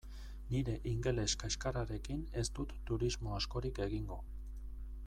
Nire ingeles kaxkarrarekin ez dut turismo askorik egingo.